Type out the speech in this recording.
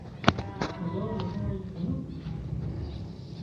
Yeẓra d acu ay d-tenna?